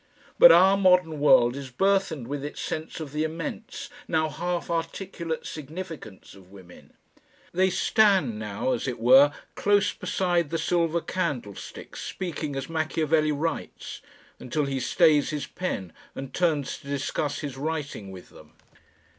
But our modern world is burthened with its sense of the immense, now half articulate, significance of women. They stand now, as it were, close beside the silver candlesticks, speaking as Machiavelli writes, until he stays his pen and turns to discuss his writing with them.